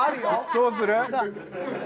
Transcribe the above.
どうする？